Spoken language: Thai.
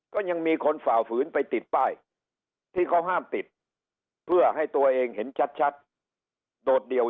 ก็ยังมีคนฝ่าฝืนไปติดป้ายที่เขาห้ามติดเพื่อให้ตัวเองเห็นชัดโดดเดี่ยว